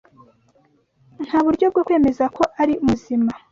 Nta buryo bwo kwemeza ko ari muzima.